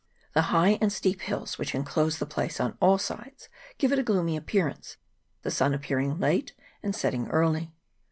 The high and steep hills which enclose the place on all sides give it a gloomy appearance, the sun appearing late and setting early.